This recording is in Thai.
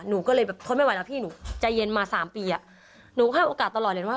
หนูก็เลยแบบทนไม่ไหวแล้วพี่หนูใจเย็นมาสามปีอ่ะหนูให้โอกาสตลอดเลยว่า